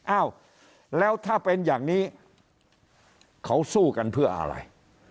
อ้าวแล้วถ้าเป็นอย่างนี้เขาสู้กันเพื่ออะไร